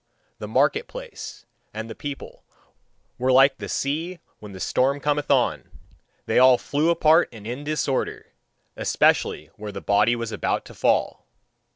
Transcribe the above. The market place and the people were like the sea when the storm cometh on: they all flew apart and in disorder, especially where the body was about to fall.